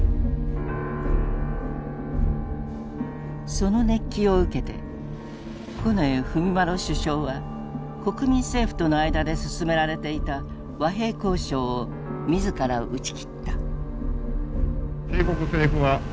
その熱気を受けて近衛文麿首相は国民政府との間で進められていた和平交渉を自ら打ち切った。